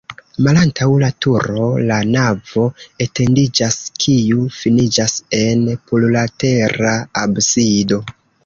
Malantaŭ la turo la navo etendiĝas, kiu finiĝas en plurlatera absido.